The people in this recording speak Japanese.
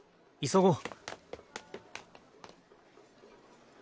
急ごう。